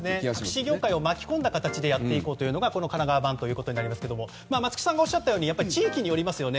タクシー業界を巻き込んだ形でやっていこうという形が神奈川版となりますけれども松木さんがおっしゃったように地域によりますよね。